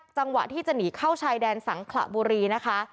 จังหวะที่จะหนีเข้าชายแดนสังขระบุรีนะคะ